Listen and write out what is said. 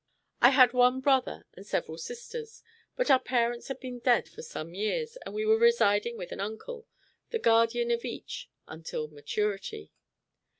I had one brother and several sisters, but our parents had been dead for some years, and we were residing with an uncle, the guardian of each, until maturity.